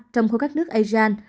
trong khối các nước asean